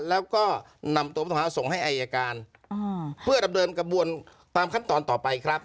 แล้วก็นำตัวผู้ต้องหาส่งให้อายการเพื่อดำเนินกระบวนตามขั้นตอนต่อไปครับ